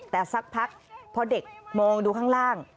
แต่สักพักพอเด็กมองดูข้างล่าง